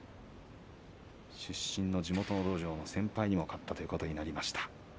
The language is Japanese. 出身の地元の道場の先輩にも勝ったということになります。